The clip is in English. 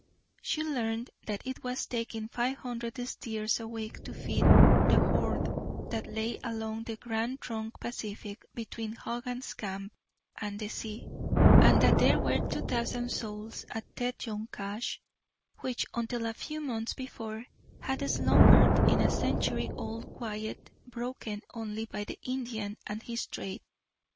She learned that it was taking five hundred steers a week to feed the Horde that lay along the Grand Trunk Pacific between Hogan's Camp and the sea, and that there were two thousand souls at Tête Jaune Cache, which until a few months before had slumbered in a century old quiet broken only by the Indian and his trade.